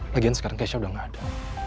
lagian sekarang keisha udah gak ada